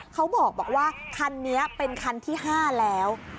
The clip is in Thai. เขาบอกว่าคันนี้เป็นคันที่๕แล้ว